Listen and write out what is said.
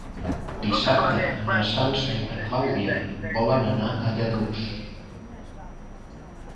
Dissabte na Sança i na Clàudia volen anar a Lladurs.